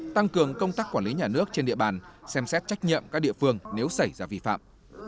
tăng cường công tác quản lý nhà nước trên địa bàn xem xét trách nhiệm các địa phương nếu xảy ra vi phạm